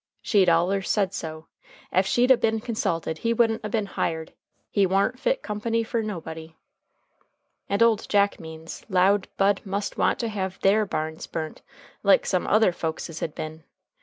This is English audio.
She'd allers said so. Ef she'd a been consulted he wouldn't a been hired. He warn't fit company fer nobody." And old Jack Means 'lowed Bud must want to have their barns burnt like some other folkses had been.